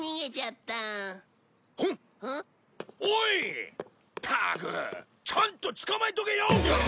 ったくちゃんとつかまえとけよ！